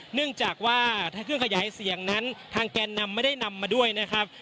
เนื่องจากว่าทางเครื่องขยายเสียงนั้นทางแกนนำไม่ได้นำมาด้วยนะครับ